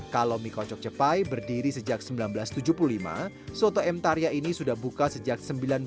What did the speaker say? kalau mie kocok cepai berdiri sejak seribu sembilan ratus tujuh puluh lima soto m tarya ini sudah buka sejak seribu sembilan ratus sembilan puluh